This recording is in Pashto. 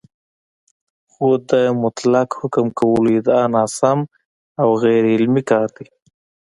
خو د مطلق حکم کولو ادعا ناسم او غیرعلمي کار دی